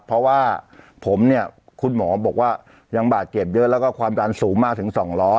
เพราะว่าผมเนี่ยคุณหมอบอกว่ายังบาดเจ็บเยอะแล้วก็ความดันสูงมากถึง๒๐๐